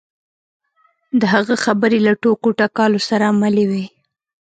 د هغه خبرې له ټوکو ټکالو سره ملې وې.